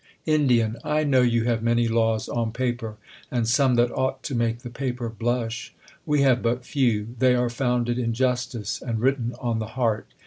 hid, I know you have many laws on pnper, and some lhat ought to make the paper blush. We have but few ; they are founded in justice, and written on the heart.